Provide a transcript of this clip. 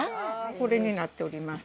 これになっております。